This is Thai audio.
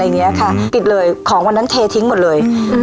อย่างเงี้ยค่ะปิดเลยของวันนั้นเททิ้งหมดเลยอืม